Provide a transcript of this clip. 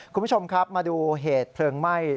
คุณผู้ชมครับมาดูเหตุเพลิงไหม้